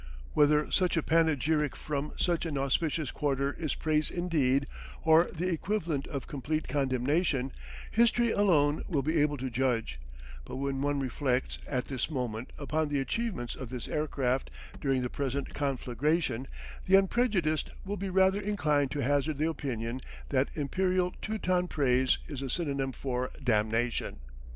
Whether such a panegyric from such an auspicious quarter is praise indeed or the equivalent of complete condemnation, history alone will be able to judge, but when one reflects, at this moment, upon the achievements of this aircraft during the present conflagration, the unprejudiced will be rather inclined to hazard the opinion that Imperial Teuton praise is a synonym for damnation.